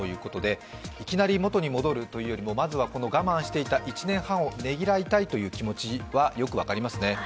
いきなり元に戻るというよりも我慢してきた１年半をねぎらいたいという気持ちはよく分かりますね。